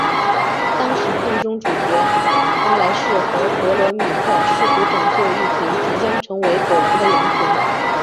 当时片中主角华莱士和格罗米特试图拯救一群即将成为狗粮的羊群。